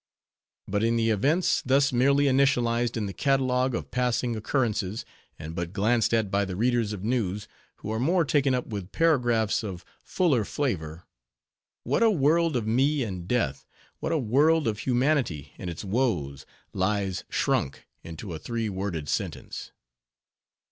But in the events, thus merely initialized in the catalogue of passing occurrences, and but glanced at by the readers of news, who are more taken up with paragraphs of fuller flavor; what a world of life and death, what a world of humanity and its woes, lies shrunk into a three worded sentence!